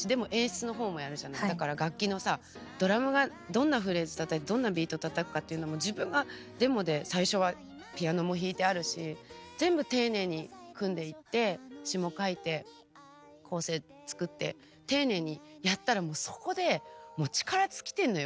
だから楽器のさドラムがどんなフレーズたたいてどんなビートたたくかっていうのも自分がデモで最初はピアノも弾いてあるし全部丁寧に組んでいって詞も書いて構成作って丁寧にやったらもうそこで力尽きてるのよ。